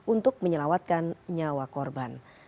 untuk menyelamatkan bayi